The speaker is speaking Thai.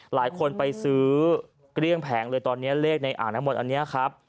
หลายคนไปซื้อเกลี้ยงแผงเลยตอนนี้เลขในอ่างน้ำมนต์อันนี้ครับ